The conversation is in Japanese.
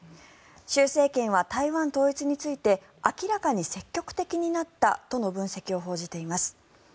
習政権は台湾統一について明らかに積極的になったとの分析を報じています。